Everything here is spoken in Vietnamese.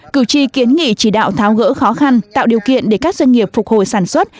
cử tri kiến nghị chỉ đạo tháo gỡ khó khăn tạo điều kiện để các doanh nghiệp phục hồi sản xuất